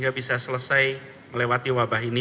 dan selesai melewati wabah ini